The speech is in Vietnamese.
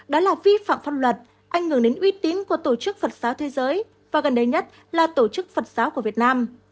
đó là vi phạm pháp luật ảnh hưởng đến uy tín của tổ chức phật giáo thế giới và gần đây nhất là tổ chức phật giáo của việt nam